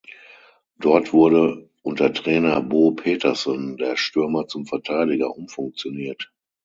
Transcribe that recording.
Dort wurde unter Trainer Bo Petersson der Stürmer zum Verteidiger umfunktioniert.